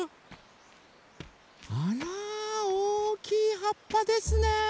あらおおきいはっぱですね